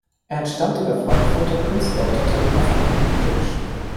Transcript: Er entstammte der Frankfurter Künstler- und Unternehmerfamilie Klimsch.